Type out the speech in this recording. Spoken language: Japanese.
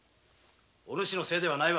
お主のせいではない。